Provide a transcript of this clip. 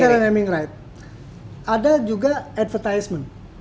yang tadi adalah naming rights ada juga advertisement